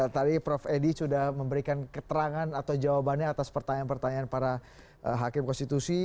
tadi prof edi sudah memberikan keterangan atau jawabannya atas pertanyaan pertanyaan para hakim konstitusi